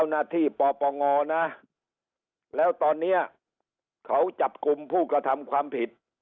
วันนี้เขาจับกลุ่มผู้กระทำความผิด